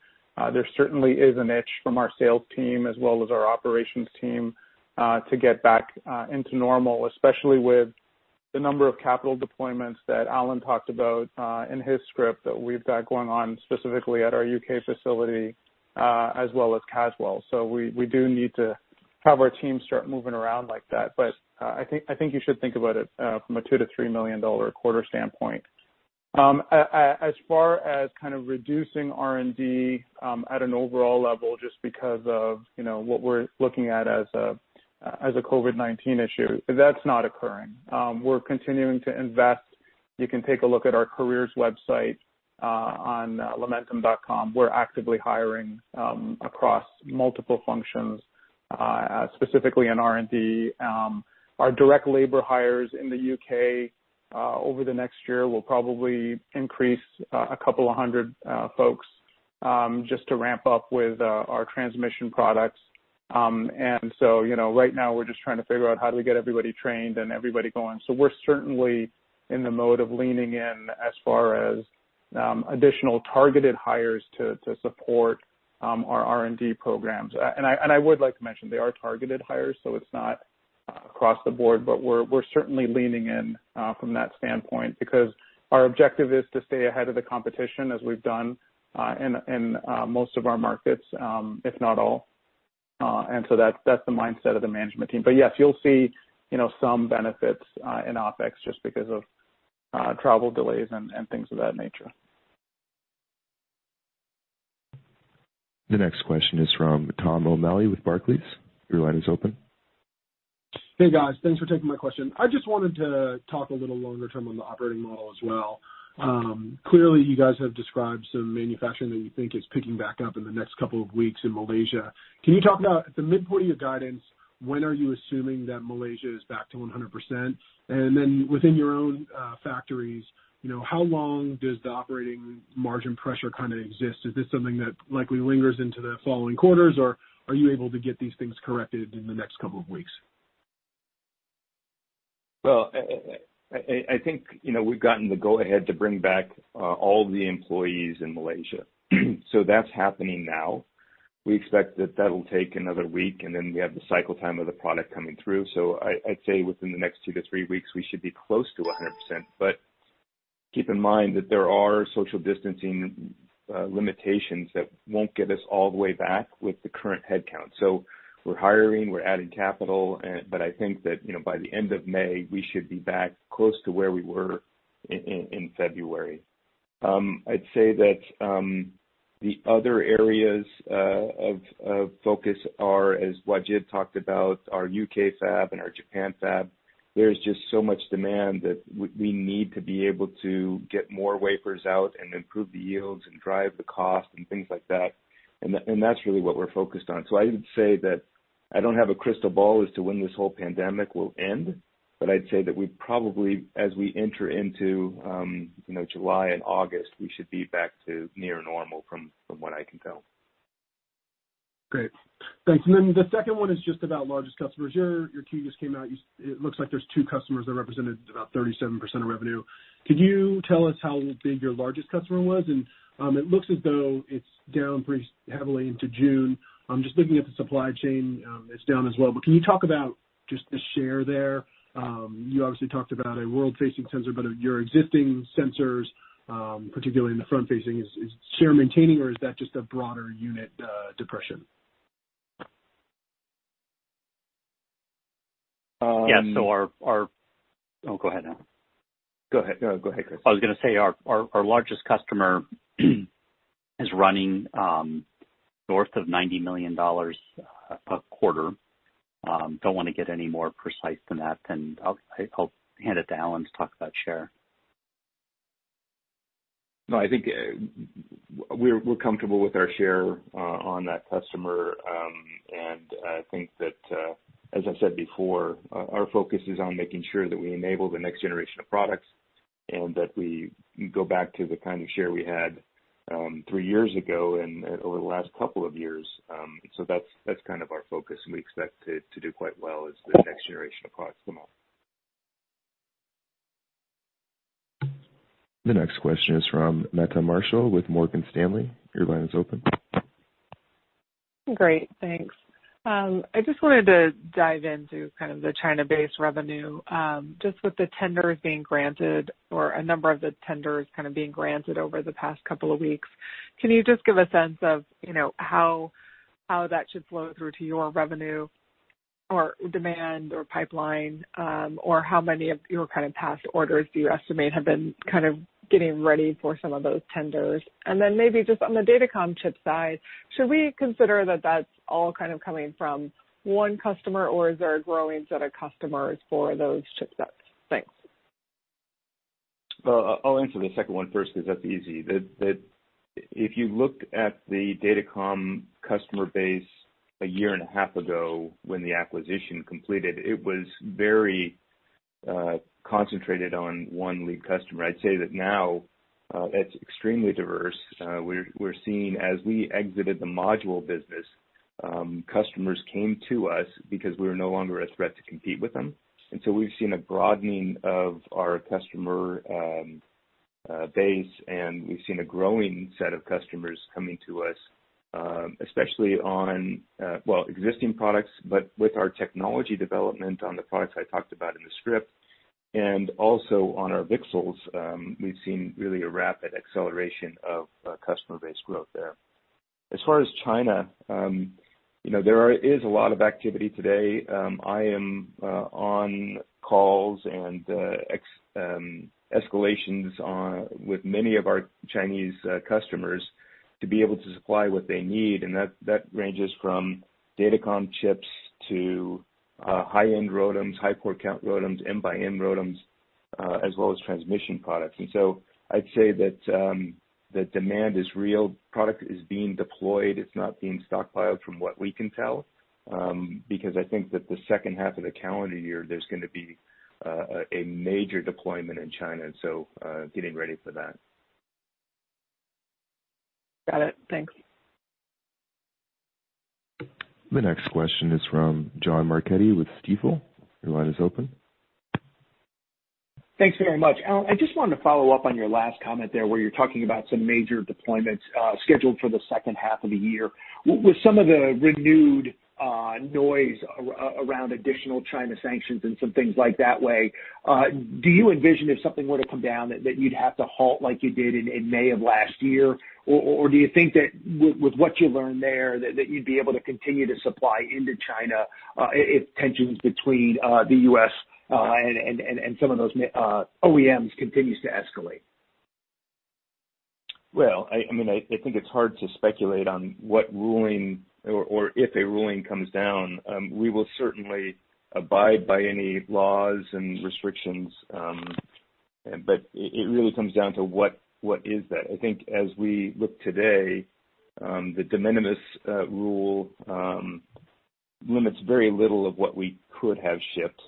[SPEAKER 4] There certainly is an itch from our sales team as well as our operations team to get back into normal, especially with the number of capital deployments that Alan talked about in his script that we've got going on, specifically at our U.K. facility, as well as Caswell. We do need to have our team start moving around like that. I think you should think about it from a $2 million-$3 million quarter standpoint. As far as reducing R&D at an overall level just because of what we're looking at as a COVID-19 issue, that's not occurring. We're continuing to invest. You can take a look at our careers website on lumentum.com. We're actively hiring across multiple functions, specifically in R&D. Our direct labor hires in the U.K. over the next year will probably increase a couple of hundred folks, just to ramp up with our transmission products. Right now, we're just trying to figure out how do we get everybody trained and everybody going. We're certainly in the mode of leaning in as far as additional targeted hires to support our R&D programs. I would like to mention they are targeted hires, so it's not across the board, we're certainly leaning in from that standpoint, because our objective is to stay ahead of the competition as we've done in most of our markets, if not all. That's the mindset of the management team. Yes, you'll see some benefits in OpEx just because of travel delays and things of that nature.
[SPEAKER 1] The next question is from Tom O'Malley with Barclays. Your line is open.
[SPEAKER 9] Hey, guys. Thanks for taking my question. I just wanted to talk a little longer term on the operating model as well. Clearly, you guys have described some manufacturing that you think is picking back up in the next couple of weeks in Malaysia. Can you talk about, at the midpoint of your guidance, when are you assuming that Malaysia is back to 100%? Then within your own factories, how long does the operating margin pressure kind of exist? Is this something that likely lingers into the following quarters, or are you able to get these things corrected in the next couple of weeks?
[SPEAKER 3] I think we've gotten the go-ahead to bring back all the employees in Malaysia. That's happening now. We expect that that'll take another week, and then we have the cycle time of the product coming through. I'd say within the next two to three weeks, we should be close to 100%. Keep in mind that there are social distancing limitations that won't get us all the way back with the current headcount. We're hiring, we're adding capital, but I think that by the end of May, we should be back close to where we were in February. I'd say that the other areas of focus are, as Wajid talked about, our U.K. fab and our Japan fab. There's just so much demand that we need to be able to get more wafers out and improve the yields and drive the cost and things like that. That's really what we're focused on. I would say that I don't have a crystal ball as to when this whole pandemic will end, but I'd say that we probably, as we enter into July and August, we should be back to near normal from what I can tell.
[SPEAKER 9] Great. Thanks. The second one is just about largest customers. Your Q just came out. It looks like there's two customers that represented about 37% of revenue. Could you tell us how big your largest customer was? It looks as though it's down pretty heavily into June. Just looking at the supply chain, it's down as well. Can you talk about just the share there? You obviously talked about a world-facing sensor, but your existing sensors, particularly in the front-facing, is share maintaining or is that just a broader unit depression?
[SPEAKER 6] Yeah. Go ahead, Alan.
[SPEAKER 3] Go ahead. Go ahead, Chris.
[SPEAKER 6] I was going to say, our largest customer is running north of $90 million a quarter. Don't want to get any more precise than that. I'll hand it to Alan to talk about share.
[SPEAKER 3] I think we're comfortable with our share on that customer, and I think that, as I've said before, our focus is on making sure that we enable the next generation of products and that we go back to the kind of share we had three years ago and over the last couple of years. That's kind of our focus, and we expect to do quite well as the next generation of products come out.
[SPEAKER 1] The next question is from Meta Marshall with Morgan Stanley. Your line is open.
[SPEAKER 10] Great, thanks. I just wanted to dive into kind of the China-based revenue. Just with the tenders being granted or a number of the tenders kind of being granted over the past couple of weeks, can you just give a sense of how that should flow through to your revenue or demand or pipeline? How many of your kind of past orders do you estimate have been kind of getting ready for some of those tenders? Then maybe just on the datacom chip side, should we consider that that's all kind of coming from one customer, or is there a growing set of customers for those chipsets? Thanks.
[SPEAKER 3] I'll answer the second one first because that's easy. If you look at the datacom customer base a year and a half ago when the acquisition completed, it was very concentrated on one lead customer. I'd say that now it's extremely diverse. We're seeing as we exited the module business, customers came to us because we were no longer a threat to compete with them. We've seen a broadening of our customer base, and we've seen a growing set of customers coming to us, especially on, well, existing products, but with our technology development on the products I talked about in the script, and also on our VCSELs, we've seen really a rapid acceleration of customer base growth there. As far as China, there is a lot of activity today. I am on calls and escalations with many of our Chinese customers to be able to supply what they need, and that ranges from datacom chips to high-end ROADMs, high-port-count ROADMs, M x N ROADMs, as well as transmission products. I'd say that demand is real. Product is being deployed. It's not being stockpiled from what we can tell, because I think that the second half of the calendar year, there's going to be a major deployment in China, and so getting ready for that.
[SPEAKER 10] Got it. Thanks.
[SPEAKER 1] The next question is from John Marchetti with Stifel. Your line is open.
[SPEAKER 11] Thanks very much. Alan, I just wanted to follow up on your last comment there, where you're talking about some major deployments scheduled for the second half of the year. With some of the renewed noise around additional China sanctions and some things like that way, do you envision if something were to come down that you'd have to halt like you did in May of last year? Or do you think that with what you learned there, that you'd be able to continue to supply into China, if tensions between the U.S. and some of those OEMs continues to escalate?
[SPEAKER 3] Well, I think it's hard to speculate on what ruling or if a ruling comes down. We will certainly abide by any laws and restrictions, but it really comes down to what is that? I think as we look today, the de minimis rule limits very little of what we could have shipped.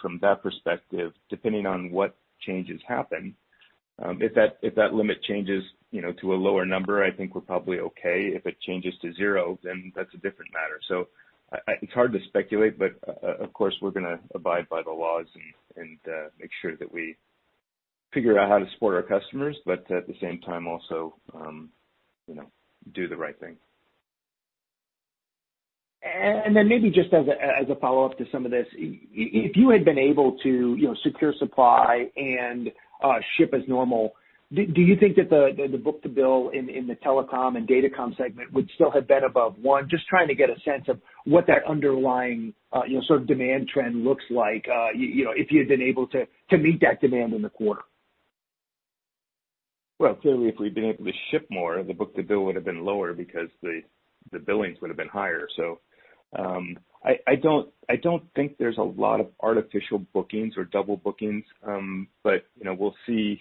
[SPEAKER 3] From that perspective, depending on what changes happen, if that limit changes to a lower number, I think we're probably okay. If it changes to zero, then that's a different matter. It's hard to speculate, but, of course, we're going to abide by the laws and make sure that we figure out how to support our customers, but at the same time, also do the right thing.
[SPEAKER 11] Maybe just as a follow-up to some of this, if you had been able to secure supply and ship as normal, do you think that the book-to-bill in the telecom and datacom segment would still have been above one? Just trying to get a sense of what that underlying sort of demand trend looks like, if you had been able to meet that demand in the quarter.
[SPEAKER 3] Well, clearly, if we'd been able to ship more, the book-to-bill would've been lower because the billings would've been higher. I don't think there's a lot of artificial bookings or double bookings. We'll see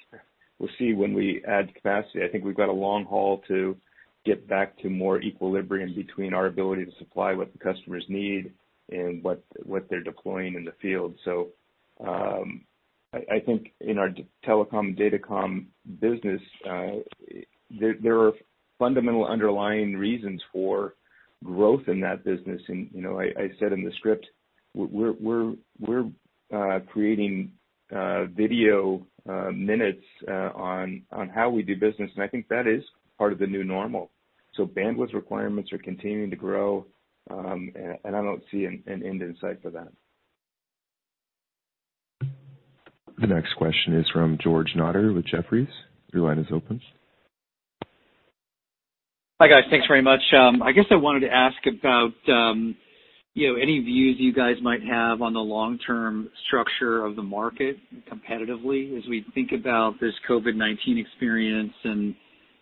[SPEAKER 3] when we add capacity. I think we've got a long haul to get back to more equilibrium between our ability to supply what the customers need and what they're deploying in the field. I think in our telecom/datacom business, there are fundamental underlying reasons for growth in that business. I said in the script, we're creating video minutes on how we do business, and I think that is part of the new normal. Bandwidth requirements are continuing to grow, and I don't see an end in sight for that.
[SPEAKER 1] The next question is from George Notter with Jefferies. Your line is open.
[SPEAKER 12] Hi, guys. Thanks very much. I guess I wanted to ask about any views you guys might have on the long-term structure of the market competitively as we think about this COVID-19 experience and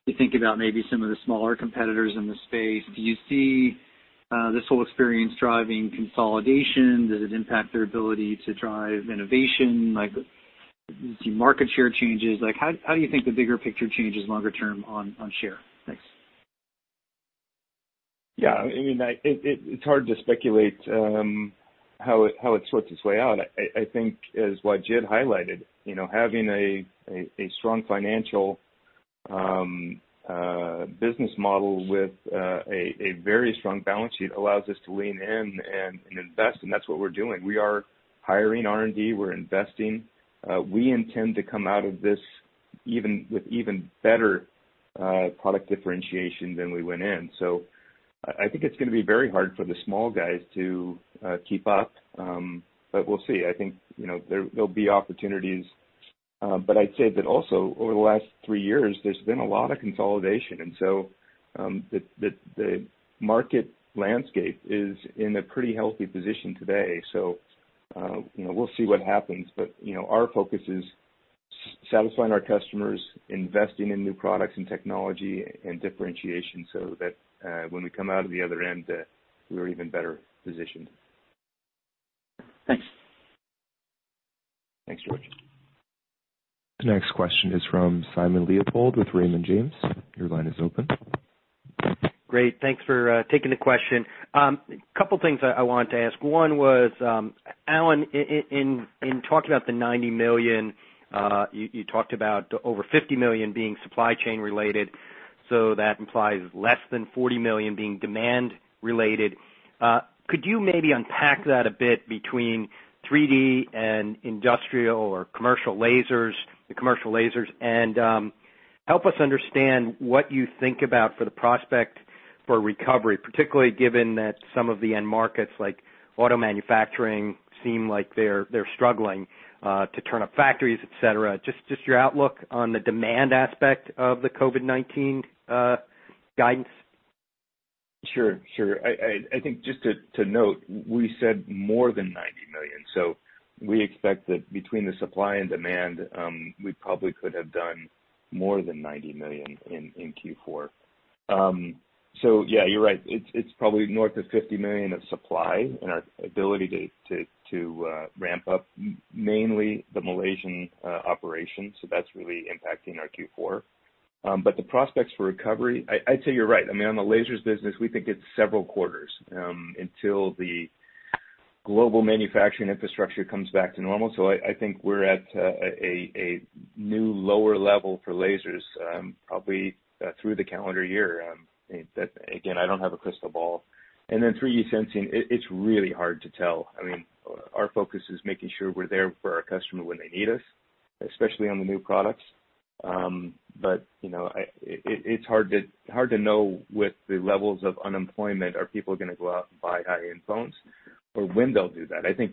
[SPEAKER 12] we think about maybe some of the smaller competitors in the space. Do you see this whole experience driving consolidation? Does it impact their ability to drive innovation, like do you see market share changes? How do you think the bigger picture changes longer term on share? Thanks.
[SPEAKER 3] It's hard to speculate how it sorts its way out. I think as Wajid highlighted, having a strong financial business model with a very strong balance sheet allows us to lean in and invest, and that's what we're doing. We are hiring R&D, we're investing. We intend to come out of this with even better product differentiation than we went in. I think it's going to be very hard for the small guys to keep up. We'll see. I think there'll be opportunities. I'd say that also over the last three years, there's been a lot of consolidation. The market landscape is in a pretty healthy position today. We'll see what happens. Our focus is satisfying our customers, investing in new products and technology and differentiation so that when we come out of the other end, we're even better positioned.
[SPEAKER 12] Thanks.
[SPEAKER 3] Thanks, George.
[SPEAKER 1] The next question is from Simon Leopold with Raymond James. Your line is open.
[SPEAKER 13] Great. Thanks for taking the question. Couple things I wanted to ask. One was, Alan, in talking about the $90 million, you talked about over $50 million being supply chain related, so that implies less than $40 million being demand related. Could you maybe unpack that a bit between 3D and industrial or commercial lasers, the commercial lasers, and help us understand what you think about for the prospect for recovery, particularly given that some of the end markets like auto manufacturing seem like they're struggling to turn up factories, et cetera? Just your outlook on the demand aspect of the COVID-19 guidance.
[SPEAKER 3] Sure. I think just to note, we said more than $90 million, we expect that between the supply and demand, we probably could have done more than $90 million in Q4. You're right. It's probably north of $50 million of supply and our ability to ramp up mainly the Malaysian operation. That's really impacting our Q4. The prospects for recovery, I'd say you're right. On the lasers business, we think it's several quarters until the global manufacturing infrastructure comes back to normal. I think we're at a new lower level for lasers probably through the calendar year. Again, I don't have a crystal ball. Then 3D sensing, it's really hard to tell. Our focus is making sure we're there for our customer when they need us, especially on the new products. It's hard to know with the levels of unemployment, are people going to go out and buy high-end phones? Or when they'll do that. I think,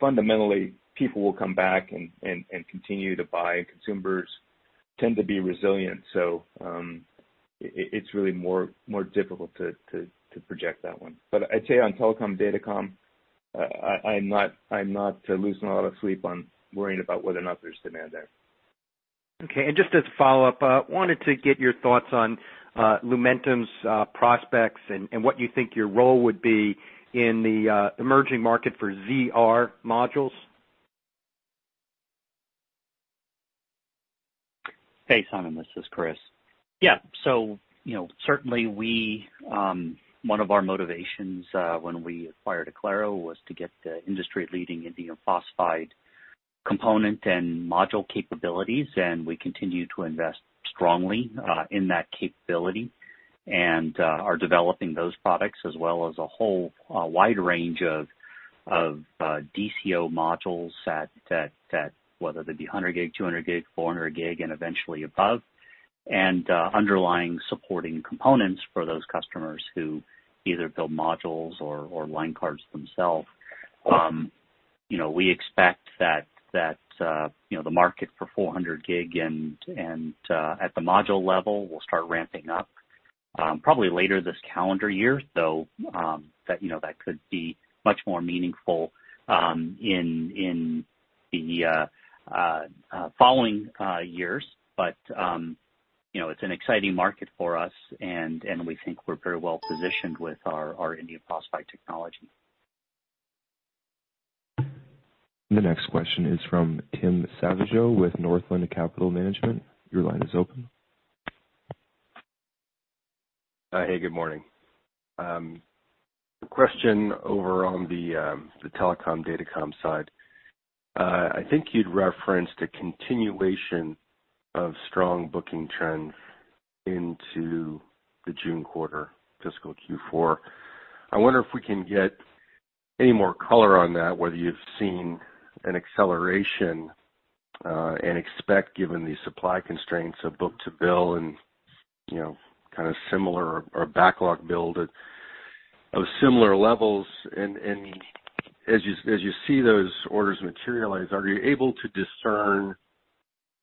[SPEAKER 3] fundamentally, people will come back and continue to buy. Consumers tend to be resilient. It's really more difficult to project that one. I'd say on telecom, datacom, I'm not losing a lot of sleep on worrying about whether or not there's demand there.
[SPEAKER 13] Okay. Just as a follow-up, I wanted to get your thoughts on Lumentum's prospects and what you think your role would be in the emerging market for ZR modules.
[SPEAKER 6] Hey, Simon, this is Chris.
[SPEAKER 13] Yeah.
[SPEAKER 6] Certainly, one of our motivations when we acquired Oclaro was to get the industry-leading indium phosphide component and module capabilities, and we continue to invest strongly in that capability and are developing those products, as well as a whole wide range of DCO modules that, whether they be 100 Gb, 200 Gb, 400 Gb, and eventually above, and underlying supporting components for those customers who either build modules or line cards themselves. We expect that the market for 400 Gb and at the module level will start ramping up probably later this calendar year, though that could be much more meaningful in the following years. It's an exciting market for us and we think we're very well positioned with our indium phosphide technology.
[SPEAKER 1] The next question is from Tim Savageaux with Northland Capital Markets. Your line is open.
[SPEAKER 14] Hey, good morning. Question over on the telecom, datacom side. I think you'd referenced a continuation of strong booking trends into the June quarter, fiscal Q4. I wonder if we can get any more color on that, whether you've seen an acceleration and expect, given the supply constraints of book-to-bill and kind of similar or backlog bill of similar levels. As you see those orders materialize, are you able to discern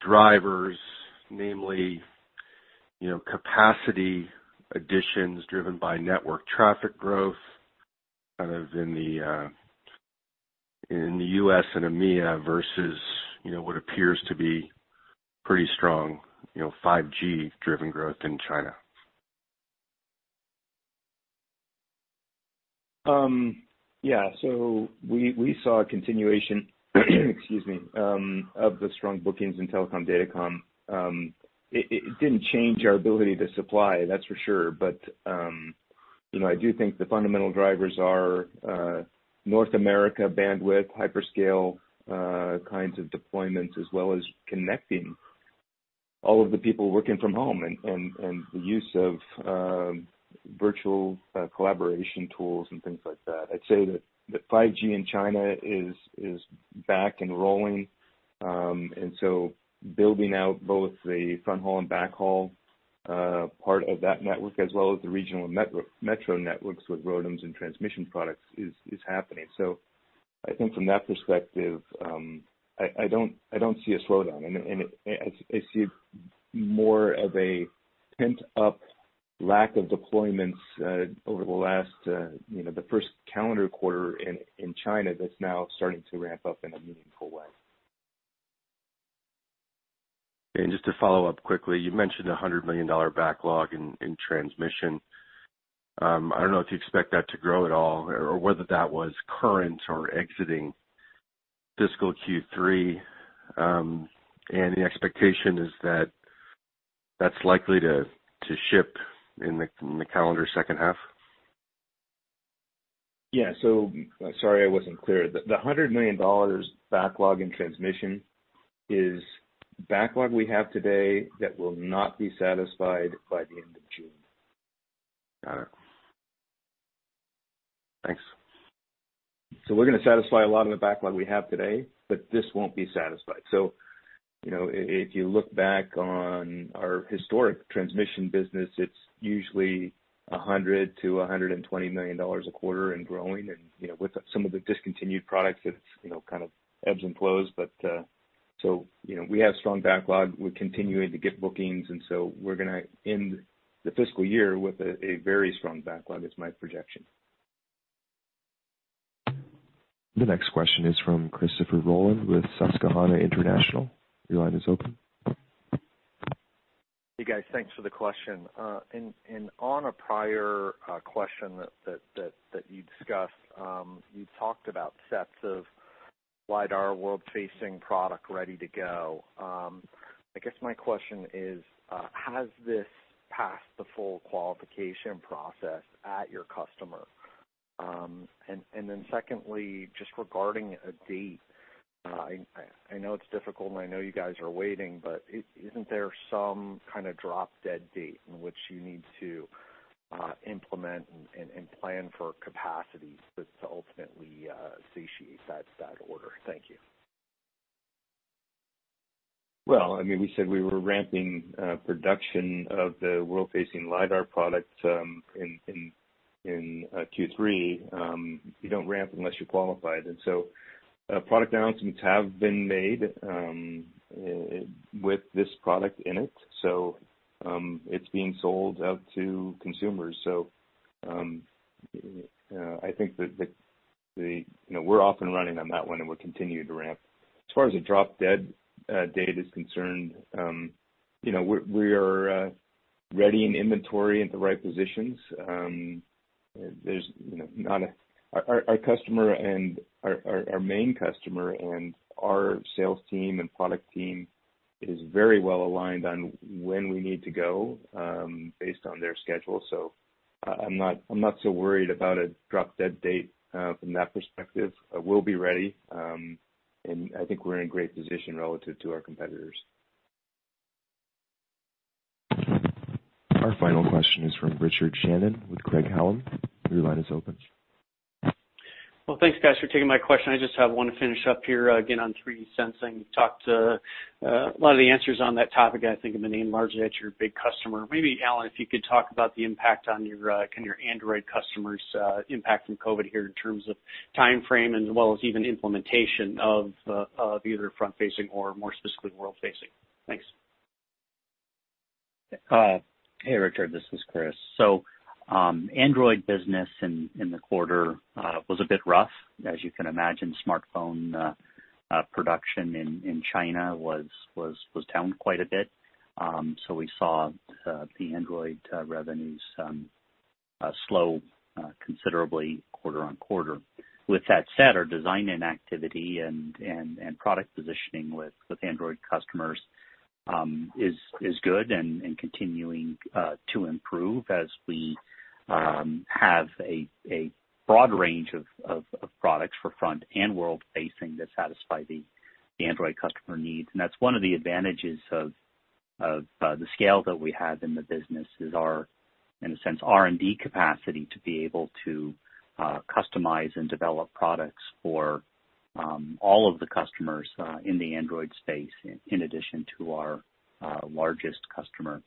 [SPEAKER 14] drivers, namely capacity additions driven by network traffic growth kind of in the U.S. and EMEA versus what appears to be pretty strong 5G-driven growth in China?
[SPEAKER 3] We saw a continuation of the strong bookings in telecom, datacom. It didn't change our ability to supply, that's for sure. I do think the fundamental drivers are North America bandwidth, hyperscale kinds of deployments, as well as connecting all of the people working from home and the use of virtual collaboration tools and things like that. I'd say that 5G in China is back and rolling. Building out both the front haul and back haul part of that network, as well as the regional metro networks with ROADMs and transmission products is happening. I think from that perspective, I don't see a slowdown, and I see more of a pent-up lack of deployments over the first calendar quarter in China that's now starting to ramp up in a meaningful way.
[SPEAKER 14] Just to follow up quickly, you mentioned a $100 million backlog in transmission. I don't know if you expect that to grow at all or whether that was current or exiting fiscal Q3. The expectation is that that's likely to ship in the calendar second half?
[SPEAKER 3] Yeah. Sorry I wasn't clear. The $100 million backlog in transmission is backlog we have today that will not be satisfied by the end of June.
[SPEAKER 14] Got it. Thanks.
[SPEAKER 3] We're going to satisfy a lot of the backlog we have today, but this won't be satisfied. If you look back on our historic transmission business, it's usually $100 million-$120 million a quarter and growing. With some of the discontinued products, it kind of ebbs and flows. We have strong backlog. We're continuing to get bookings, and so we're going to end the fiscal year with a very strong backlog is my projection.
[SPEAKER 1] The next question is from Christopher Rolland with Susquehanna International. Your line is open.
[SPEAKER 15] Hey, guys, thanks for the question. On a prior question that you discussed, you talked about sets of LiDAR world-facing product ready to go. I guess my question is, has this passed the full qualification process at your customer? Secondly, just regarding a date, I know it's difficult and I know you guys are waiting, isn't there some kind of drop-dead date in which you need to implement and plan for capacity to ultimately satiate that order? Thank you.
[SPEAKER 3] Well, we said we were ramping production of the world-facing LiDAR product in Q3. You don't ramp unless you're qualified. Product announcements have been made with this product in it. It's being sold out to consumers. I think that we're off and running on that one, and we'll continue to ramp. As far as a drop-dead date is concerned, we are ready in inventory at the right positions. Our main customer and our sales team and product team is very well aligned on when we need to go, based on their schedule. I'm not so worried about a drop-dead date from that perspective. We'll be ready. I think we're in a great position relative to our competitors.
[SPEAKER 1] Our final question is from Richard Shannon with Craig-Hallum. Your line is open.
[SPEAKER 16] Well, thanks guys for taking my question. I just have one to finish up here again on 3D sensing. A lot of the answers on that topic, I think have been aimed largely at your big customer. Maybe, Alan, if you could talk about the impact on your Android customers, impact from COVID here in terms of timeframe and as well as even implementation of either front-facing or more specifically world-facing. Thanks.
[SPEAKER 6] Hey, Richard, this is Chris. Android business in the quarter was a bit rough. As you can imagine, smartphone production in China was down quite a bit. We saw the Android revenues slow considerably quarter-on-quarter. With that said, our design-in activity and product positioning with Android customers is good and continuing to improve as we have a broad range of products for front and world-facing that satisfy the Android customer needs. That's one of the advantages of the scale that we have in the business is our, in a sense, R&D capacity to be able to customize and develop products for all of the customers in the Android space, in addition to our largest customer.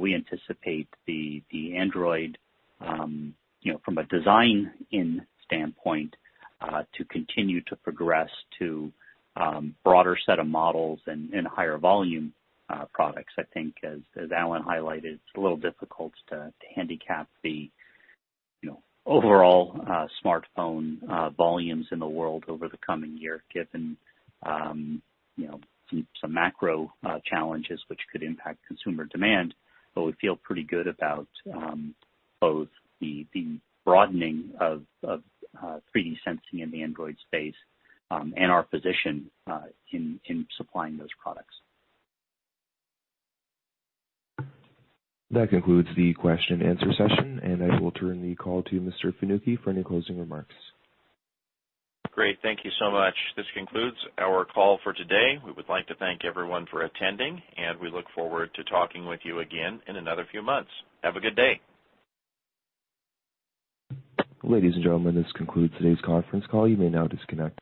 [SPEAKER 6] We anticipate the Android, from a design-in standpoint, to continue to progress to broader set of models and higher volume products. I think, as Alan highlighted, it's a little difficult to handicap the overall smartphone volumes in the world over the coming year, given some macro challenges which could impact consumer demand. We feel pretty good about both the broadening of 3D sensing in the Android space, and our position in supplying those products.
[SPEAKER 1] That concludes the question-and-answer session, and I will turn the call to Mr. Fanucchi for any closing remarks.
[SPEAKER 2] Great. Thank you so much. This concludes our call for today. We would like to thank everyone for attending. We look forward to talking with you again in another few months. Have a good day.
[SPEAKER 1] Ladies and gentlemen, this concludes today's conference call. You may now disconnect.